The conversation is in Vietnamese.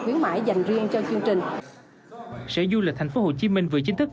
chúng tôi cũng nhận được sự đồng hành của các hãng hàng không